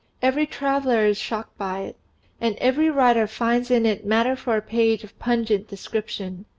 Every traveller is shocked by it, and every writer finds in it matter for a page of pungent description.